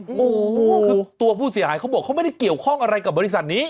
โอ้โหคือตัวผู้เสียหายเขาบอกเขาไม่ได้เกี่ยวข้องอะไรกับบริษัทนี้